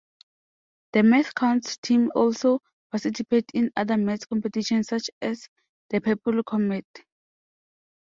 The MathCounts team also participates in other math competitions such as the Purple Comet!